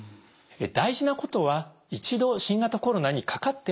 大事なことは一度新型コロナにかかっても